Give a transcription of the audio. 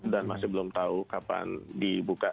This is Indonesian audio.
dan masih belum tahu kapan dibuka